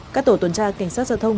các tổ tuần tra cảnh sát giao thông